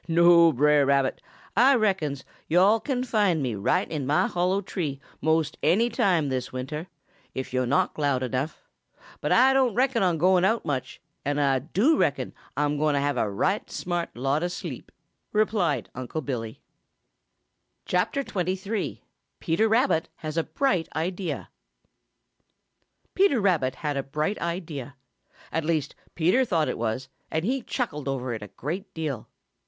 "No, Brer Rabbit. Ah reckons yo'all can find me right in mah hollow tree most any time this winter, if yo' knock loud enough. But Ah don' reckon on going out much, and Ah do reckon Ah'm going to have a right smart lot of sleep," replied Unc' Billy. XXIII. PETER RABBIT HAS A BRIGHT IDEA |PETER RABBIT had a bright idea. At least Peter thought it was, and he chuckled over it a great deal.